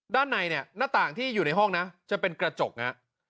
ด้านในเนี่ยหน้าต่างที่อยู่ในห้องนะจะเป็นกระจกฮะ